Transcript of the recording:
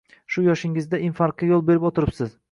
Shu yoshingizda infarktga yo‘l berib o‘tiribsiz